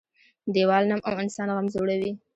- دیوال نم او انسان غم زړوي.